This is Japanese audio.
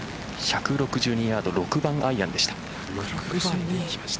１６２ヤード６番アイアンでした。